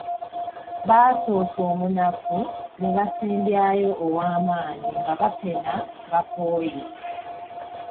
Basoosa omunafu ne basembyayo ow’amaanyi ng'abapena bakooye.